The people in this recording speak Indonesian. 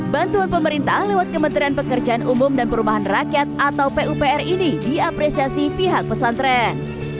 bantuan pemerintah lewat kementerian pekerjaan umum dan perumahan rakyat atau pupr ini diapresiasi pihak pesantren